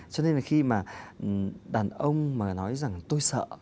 cho nên là khi mà đàn ông mà nói rằng tôi sợ